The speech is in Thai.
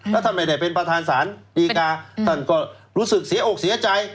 แล้วท่านไม่ได้เป็นประธานศาลดีกาท่านก็รู้สึกเสียอกเสียใจ